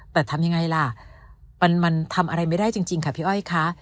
แต่ทำยังไงล่ะมันทำอะไรไม่ได้จริงค่ะพี่อ้อยคะ